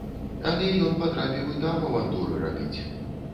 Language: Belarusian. Але ён патрапіў і там авантуры рабіць.